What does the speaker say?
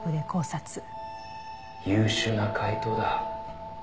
「優秀な解答だ」